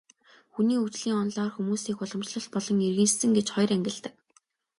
Хүний хөгжлийн онолоор хүмүүсийг уламжлалт болон иргэншсэн гэж хоёр ангилдаг.